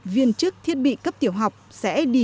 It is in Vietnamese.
viên chức thiết bị cấp tiểu học sẽ đi